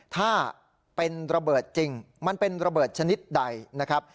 ถ้าเป็นระเบิดจริงมันเป็นระเบิดชนิดใดนะครับ